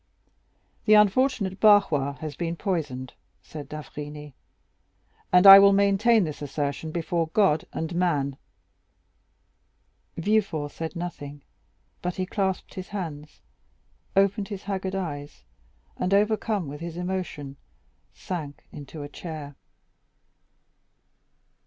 "The unfortunate Barrois has been poisoned," said d'Avrigny, "and I will maintain this assertion before God and man." Villefort said nothing, but he clasped his hands, opened his haggard eyes, and, overcome with his emotion, sank into a chair.